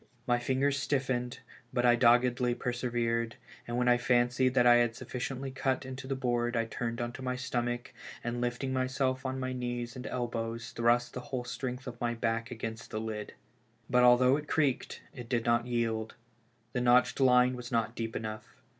My fingers stiffened, but I doggedly persevered, and when I fancied that I had sufficiently cut into the board I turned on my stomach, and lifting myself on my knees and elbows thrust the whole strength of my back against the lid. But although it creaked, it did not yield; the notched line was not deep enough.